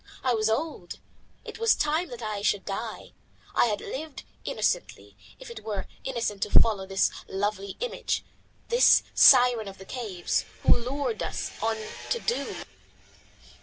I was old, it was time that I should die. I had lived innocently, if it were innocent to follow this lovely image, this Siren of the caves, who lured us on to doom.